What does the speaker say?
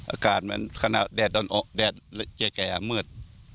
อากาศเหมือนแดดเก๋แก่มืด